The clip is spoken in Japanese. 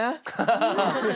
ハハハッ。